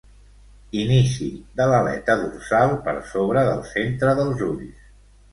Inici de l'aleta dorsal per sobre del centre dels ulls.